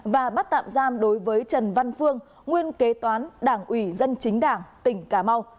và bắt tạm giam đối với trần văn phương nguyên kế toán đảng ủy dân chính đảng tỉnh cà mau